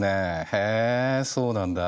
へえそうなんだ。